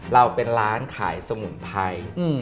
เราเป็นร้านขายสมุนไพร